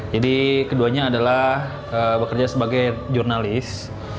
keduanya adalah bekerja sebagai jurnalis